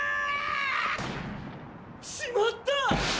しまった！